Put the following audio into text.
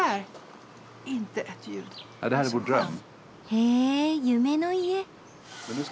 へぇ夢の家。